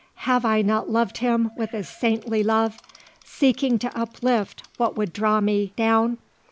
Have I not loved him with a saintly love, seeking to uplift what would draw me down?